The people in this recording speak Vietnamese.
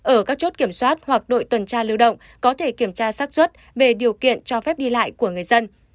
ở các chốt kiểm soát hoặc đội tuần tra lưu động có thể kiểm tra sắc xuất về điều kiện cho phép đi lại của người dân